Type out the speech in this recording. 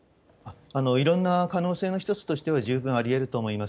いろんな可能性の一つとしては十分ありえると思います。